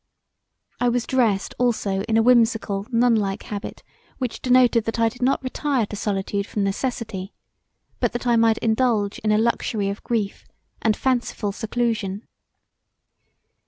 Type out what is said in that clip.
I was dressed also in a whimsical nunlike habit which denoted that I did not retire to solitude from necessity, but that I might indulge in a luxury of grief, and fanciful seclusion.